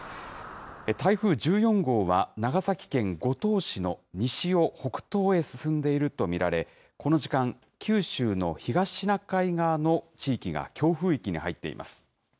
台風１４号は、長崎県五島市の西を北東へ進んでいると見られ、この時間、九州の東シナ海側の地域が強風域に入っています。